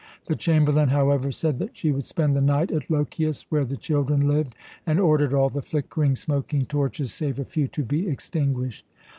The chamberlain, however, said that she would spend the night at Lochias, where the children lived, and ordered all the flickering, smoking torches, save a few, to be extinguished.